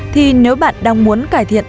thì nếu bạn đang muốn cải thiện